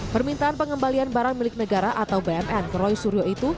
permintaan pengembalian barang milik negara atau bmn ke roy suryo itu